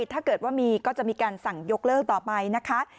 ถ้าเกิดว่ามีก็จะมีการสั่งยกเลิกต่อไปนะคะ